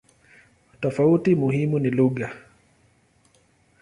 Tofauti muhimu ni lugha.